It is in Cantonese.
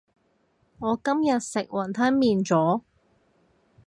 我今日食雲吞麵咗